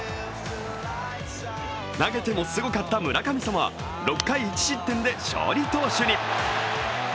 投げてもすごかった村神様は６回１失点で勝利投手に。